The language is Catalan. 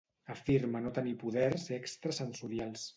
Afirma no tenir poders extrasensorials.